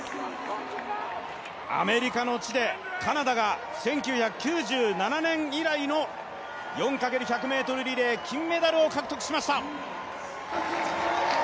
アメリカの地でカナダが１９９７年以来の４×１００ｍリレー金メダルを獲得しました！